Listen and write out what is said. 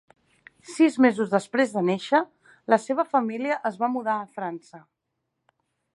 Sis mesos després de néixer, la seva família es va mudar a França.